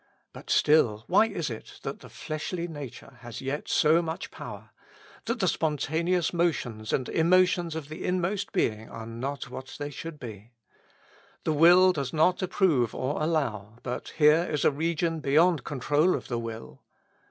But still, why is it that the fleshly nature has yet so much power, that the spontaneous motions and emotions of tlie inmost be ing are not what they should be? The will does not approve or allow, but here is a region beyond con trol of the will.